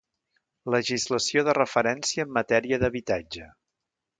Legislació de referència en matèria d'habitatge.